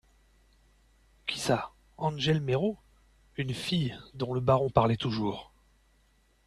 Qui ça, Angèle Méraud ? Une fille, dont le baron parlait toujours.